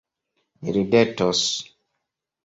Ni ridetos.